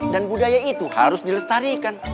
dan budaya itu harus dilestarikan